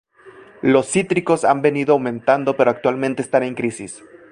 Los cítricos han venido aumentando pero actualmente están en crisis.